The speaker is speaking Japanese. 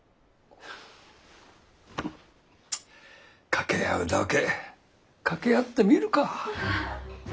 掛け合うだけ掛け合ってみるか。